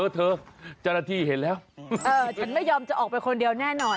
เธอจรฐีเห็นแล้วเออฉันไม่ยอมจะออกไปคนเดียวแน่นอน